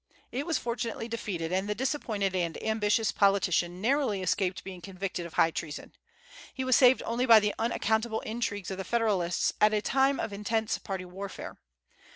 It was fortunately defeated, and the disappointed and ambitious politician narrowly escaped being convicted of high treason. He was saved only by the unaccountable intrigues of the Federalists at a time of intense party warfare.